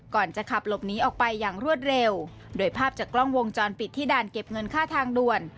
ก่อนจะขับหลบหนีออกไปอย่างรวดเร็วโดยภาพจากกล้องวงจรปิดที่ด่านเก็บเงินค่าทางด่วน